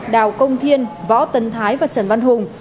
đào công thiên võ tấn thái và trần văn hùng